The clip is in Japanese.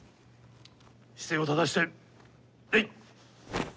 姿勢を正して礼。